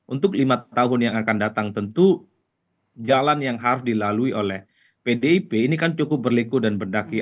untuk lima tahun yang akan datang tentu jalan yang harus dilalui oleh pdip ini kan cukup berliku dan berdaki